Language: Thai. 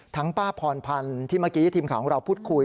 ป้าพรพันธ์ที่เมื่อกี้ทีมข่าวของเราพูดคุย